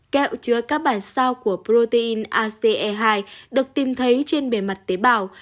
kẹo chứa các bản sao của protein ace hai được tìm thấy trên bề mặt tế bào